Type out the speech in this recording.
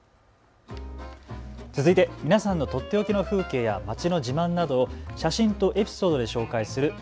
続いて皆さんのとっておきの風景や街の自慢などを写真とエピソードで紹介する＃